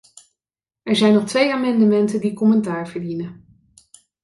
Er zijn nog twee amendementen die commentaar verdienen.